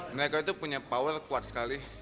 mereka itu punya power kuat sekali